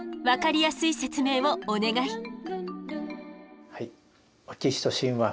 分かりやすい説明をお願い。